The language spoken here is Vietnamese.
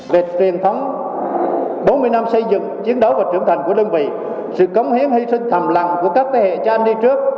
về truyền thống bốn mươi năm xây dựng chiến đấu và trưởng thành của đơn vị sự cống hiến hy sinh thầm lặng của các thế hệ cha anh đi trước